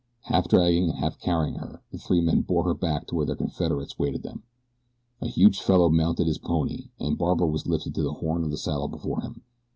Half dragging and half carrying her the three men bore her back to where their confederates awaited them. A huge fellow mounted his pony and Barbara was lifted to the horn of the saddle before him.